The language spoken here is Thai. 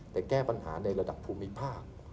แต่แก้ปัญหาในระดับภูมิภาค